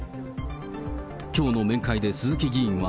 きょうの面会で鈴木議員は、